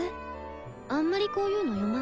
あんまりこういうの読まない？